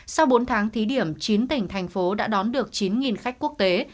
sau bốn tháng thí điểm chín tỉnh thành phố đã đón được chín khách quốc tế